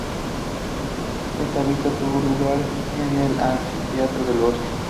Esta visita tuvo lugar en el Anfiteatro del Bosque.